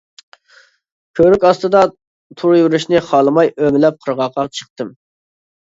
كۆۋرۈك ئاستىدا تۇرۇۋېرىشنى خالىماي ئۆمىلەپ قىرغاققا چىقتىم.